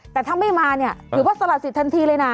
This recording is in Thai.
แต่ถ้าไม่มาเนี่ยถือว่าสละสิทธิทันทีเลยนะ